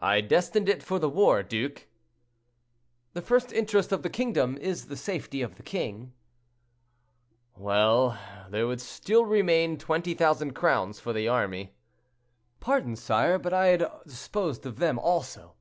"I destined it for the war, duke." "The first interest of the kingdom is the safety of the king." "Well; there still would remain 20,000 crowns for the army." "Pardon, sire, but I had disposed of them, also."